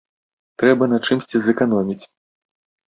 Трэба на чымсьці зэканоміць.